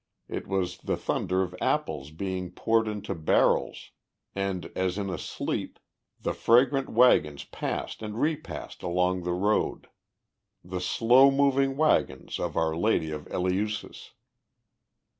It was the thunder of apples being poured into barrels, and, as in a sleep, the fragrant wagons passed and repassed along the road "the slow moving wagons of our lady of Eleusis."